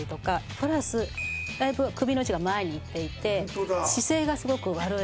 プラスだいぶ首の位置が前にいっていて姿勢がすごく悪い。